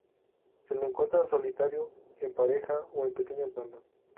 Se le encuentra solitario, en pareja o en pequeñas bandadas.